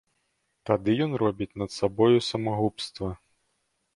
Тады ён робіць над сабою самагубства.